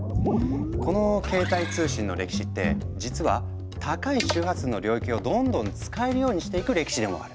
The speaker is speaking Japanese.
この携帯通信の歴史って実は高い周波数の領域をどんどん使えるようにしていく歴史でもある。